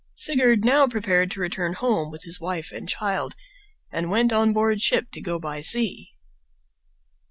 Sigurd now prepared to return home with his wife and child and went on board ship to go by sea.